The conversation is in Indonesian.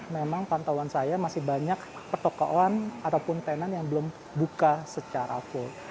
memang pantauan saya masih banyak pertokoan ataupun tenan yang belum buka secara full